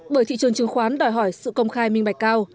bởi thị trường chứng khoán đòi hỏi sự công khai minh bạch cao